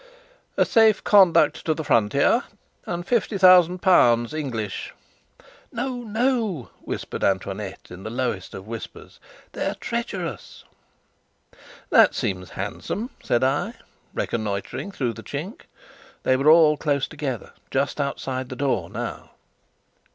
"A safe conduct to the frontier, and fifty thousand pounds English." "No, no," whispered Antoinette in the lowest of whispers. "They are treacherous." "That seems handsome," said I, reconnoitering through the chink. They were all close together, just outside the door now.